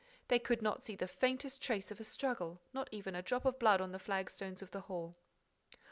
They could not see the faintest trace of a struggle, not even a drop of blood on the flagstones of the hall.